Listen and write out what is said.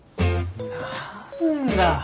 何だ